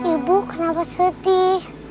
ibu kenapa sedih